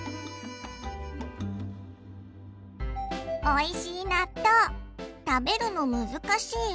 おいしい納豆食べるの難しい。